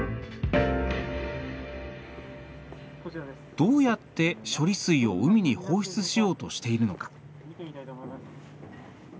どうやって処理水を海に放出しようとしているのか。